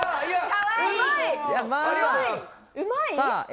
うまい！